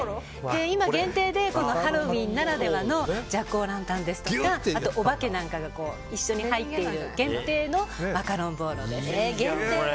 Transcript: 今、限定でハロウィーンならではのジャック・オ・ランタンですとかあと、おばけなんかが一緒に入っている限定のマカロンボーロです。